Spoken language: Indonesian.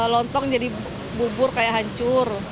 lontong jadi bubur kayak hancur